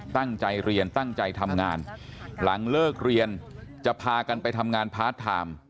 ตั้งใจเรียนตั้งใจทำงานหลังเลิกเรียนจะพากันไปทำงานพาร์ทไทม์